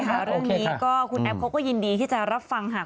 ของเรื่องนี้ก็คุณแอปก็ยินดีที่จะรับฟัง